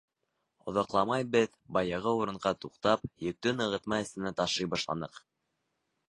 Оҙаҡламай беҙ, баяғы урынға туҡтап, йөктө нығытма эсенә ташый башланыҡ.